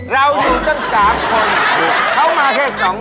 เราอยู่กัน๓คนเขามาแค่สองคน